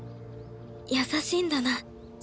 優しいんだな翼